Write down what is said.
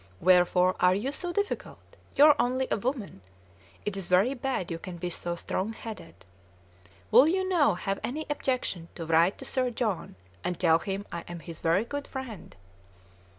Wherefore are you so difficult? You are only a woman. It is very bad you can be so strong headed. Will you now have any objection to write to Sir John, and tell him I am his very good friend?"